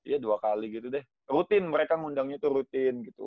ya dua kali gitu deh rutin mereka ngundangnya itu rutin gitu